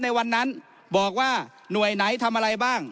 ในวันนั้นบอกว่าหน่วยไหนทำอะไรบ้าง